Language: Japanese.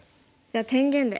じゃあ天元で。